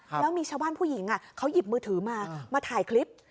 แล้วมีชาวบ้านผู้หญิงเขาหยิบมือถือมามาถ่ายคลิป